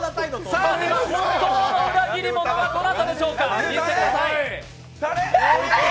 本当の裏切り者はどなたでしょうか見せてください！